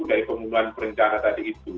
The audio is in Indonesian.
dari pembunuhan berencana tadi itu